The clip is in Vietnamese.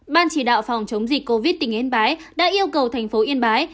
ban chỉ đạo phòng chống dịch covid tỉnh yên bái đã yêu cầu thành phố yên bái